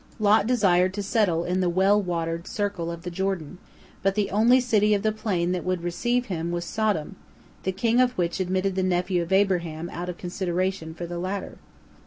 Lot desired to settle in the well watered circle of the Jordan, but the only city of the plain that would receive him was Sodom, the king of which admitted the nephew of Abraham out of consideration for the latter.